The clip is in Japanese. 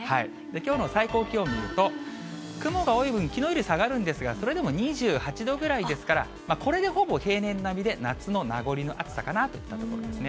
きょうの最高気温見ると、雲が多い分、きのうより下がるんですが、それでも２８度ぐらいですから、これでほぼ平年並みで、夏の名残の暑さかなといったところですね。